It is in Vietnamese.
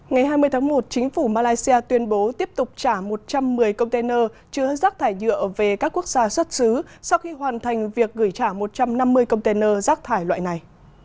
ngày hai mươi tháng một chính phủ malaysia tuyên bố tiếp tục trả một trăm một mươi container chứa rác thải nhựa về các quốc gia xuất xứ sau khi hoàn thành việc gửi trả một trăm năm mươi container rác thải loại này